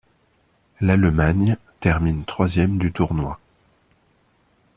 L'Allemagne termine troisième du tournoi.